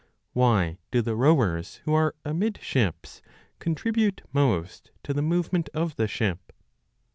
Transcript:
Why do the rowers who are amidships contribute most to the movement of the ship